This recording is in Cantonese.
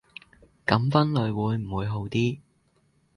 噉分類會唔會好啲